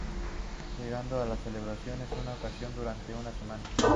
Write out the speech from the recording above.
Llegando a celebrarse en alguna ocasión durante una semana.